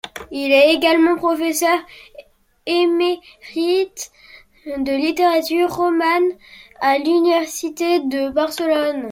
Il est également professeur émérite de littérature romane à l'Université de Barcelone.